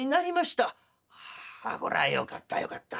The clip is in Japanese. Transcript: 「こらよかったよかった。